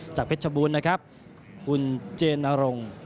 จากเพชรชบุญนะครับคุณเจนนรง